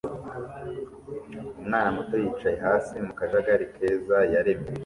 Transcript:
Umwana muto yicaye hasi mu kajagari keza yaremye